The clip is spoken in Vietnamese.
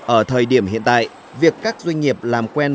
ở thời điểm hiện tại việc các doanh nghiệp làm quen